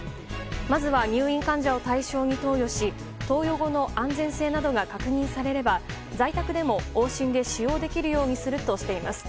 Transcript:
まずは入院患者を対象に投与し投与後の安全性などが確認されれば在宅でも往診で使用できるようにするとしています。